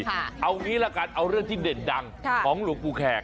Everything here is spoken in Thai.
เอางี้ละกันเอาเรื่องที่เด่นดังของหลวงปู่แขก